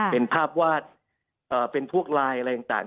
เป็นภาพวาดเป็นพวกไลน์อะไรต่าง